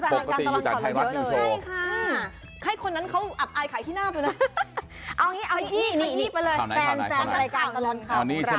พี่อุ๋ยมาอยู่ในรายการตลอนข่าว